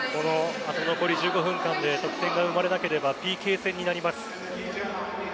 あと残り１５分間で得点が生まれなければＰＫ戦になります。